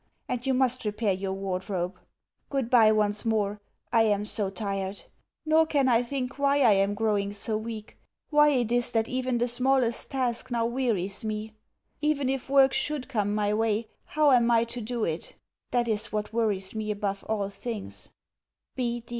And you must repair your wardrobe. Goodbye once more. I am so tired! Nor can I think why I am growing so weak why it is that even the smallest task now wearies me? Even if work should come my way, how am I to do it? That is what worries me above all things.